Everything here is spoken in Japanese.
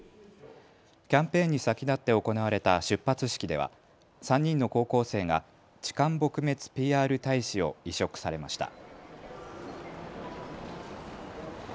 キャンペーンに先立って行われた出発式では３人の高校生がチカン撲滅ＰＲ大使を委嘱されました。